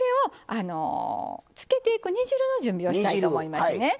つけていく煮汁の準備をしたいと思います。